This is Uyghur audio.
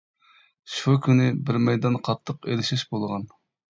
شۇ كۈنى بىر مەيدان قاتتىق ئېلىشىش بولغان.